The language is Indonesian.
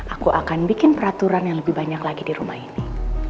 aku akan bikin peraturan yang lebih banyak lagi di rumah ini